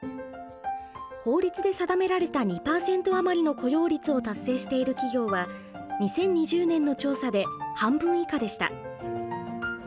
法律で定められた２％余りの雇用率を達成している企業は２０２０年の調査で半分以下でした。